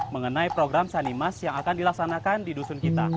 mengenai program sanimas yang akan dilaksanakan di dusun kita